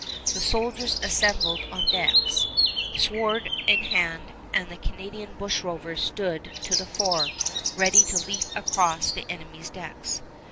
The soldiers assembled on decks, sword in hand, and the Canadian bushrovers stood to the fore, ready to leap across the enemy's decks.